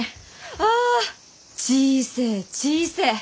ア小せえ小せえ。